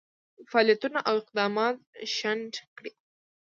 فعالیتونه او اقدامات شنډ کړي.